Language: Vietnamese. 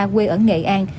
quê ở nghệ an